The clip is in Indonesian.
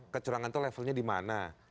kecurangan itu levelnya dimana